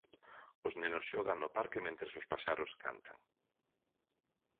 Os nenos xogan no parque mentres os paxaros cantan.